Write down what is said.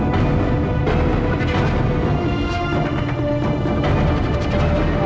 cuma dilanjutkan dari sini